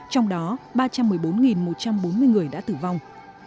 trong đó ba trăm một mươi bốn một trăm bốn mươi người đã tử vong